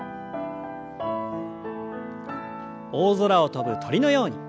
大空を飛ぶ鳥のように。